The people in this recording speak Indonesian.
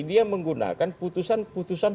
dia menggunakan putusan putusan